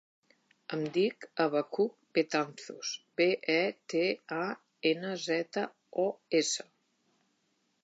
Em dic Abacuc Betanzos: be, e, te, a, ena, zeta, o, essa.